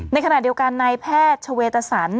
ในขณะเดียวกันนายแพทย์ชเวตสัน